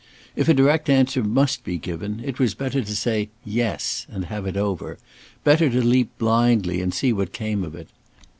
If a direct answer must be given, it was better to say "Yes!" and have it over; better to leap blindly and see what came of it.